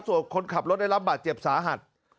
ส่วนคนขับรถได้รับบาดเจ็บสาหัส